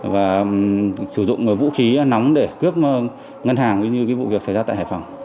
và sử dụng vũ khí nóng để cướp ngân hàng cũng như vụ việc xảy ra tại hải phòng